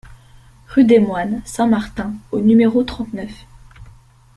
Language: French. Rue des Moines Saint-Martin au numéro trente-neuf